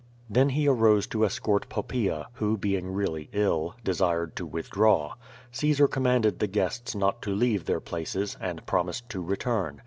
Then he arose to escort Poppaea, who being really ill, de sired to withdraw. Caesar commanded the guests not to leave their places^ and promised. to return.